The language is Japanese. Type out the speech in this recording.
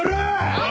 おい！